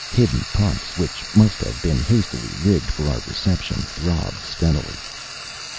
Hidden pumps, which must have been hastily rigged for our reception, throbbed steadily.